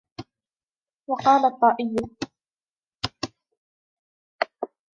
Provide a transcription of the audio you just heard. وَقَالَ الطَّائِيُّ